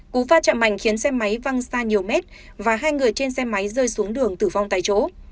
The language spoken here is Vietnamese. cú va chạm mạnh khiến xe máy văng xa nhiều mét và hai người trên xe máy rơi xuống đường tử vong tại chỗ